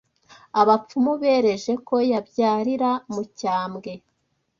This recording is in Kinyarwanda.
Abapfumu bereje ko yabyarira mu Cyambwe